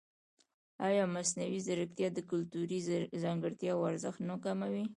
ایا مصنوعي ځیرکتیا د کلتوري ځانګړتیاوو ارزښت نه کموي؟